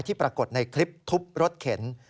ปรากฏในคลิปทุบรถเข็น